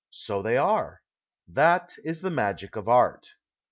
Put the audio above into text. So they arc. Tliat is the magic of art.